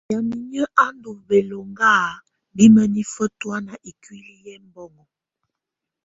Yamɛ̀á inƴǝ́ á ndù bɛlɔŋga bi mǝnifǝ tɔ̀ána ikuili yɛ ɛmbɔŋɔ.